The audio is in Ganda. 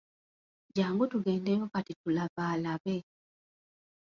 Jangu tugendeyo Kati tulabalabe